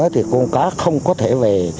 thì con cá không có thể về